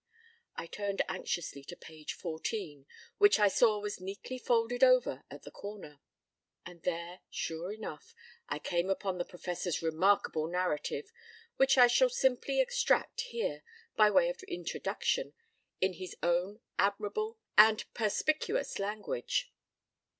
I turned anxiously to page 14, which I saw was neatly folded over at the corner; and there, sure enough, I came upon the Professor's remarkable narrative, which I shall simply extract here, by way of introduction, in his own admirable and perspicuous language.